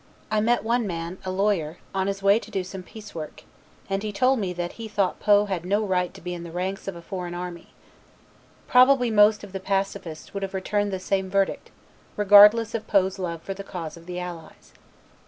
"I met one man, a lawyer, on his way to do some peace work, and he told me that he thought Poe had no right to be in the ranks of a foreign army. Probably most of the pacifists would have returned the same verdict regardless of Poe's love for the cause of the Allies.